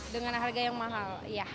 dengan harga yang mahal